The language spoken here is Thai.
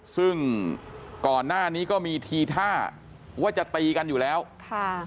ซึ่งก่อนหน้านี้ก็มีทีท่าว่าจะตีกันอยู่แล้วค่ะ